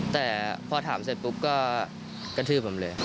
แต่พอถามเสร็จปุ๊บก็กระทืบผมเลย